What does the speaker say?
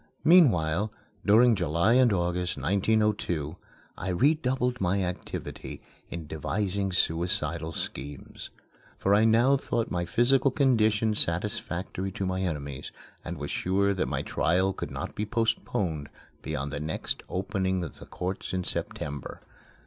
Meanwhile, during July and August, 1902, I redoubled my activity in devising suicidal schemes; for I now thought my physical condition satisfactory to my enemies, and was sure that my trial could not be postponed beyond the next opening of the courts in September.